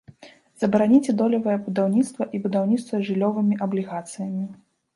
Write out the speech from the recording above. Забараніце долевае будаўніцтва і будаўніцтва жыллёвымі аблігацыямі.